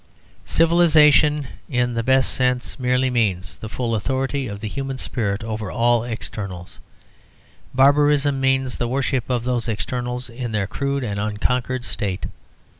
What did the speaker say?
Civilisation in the best sense merely means the full authority of the human spirit over all externals. Barbarism means the worship of those externals in their crude and unconquered state.